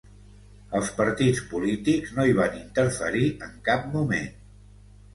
Els partits polítics no hi van interferir en cap moment.